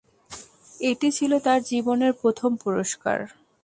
এটি ছিল তার জীবনের প্রথম পুরস্কার।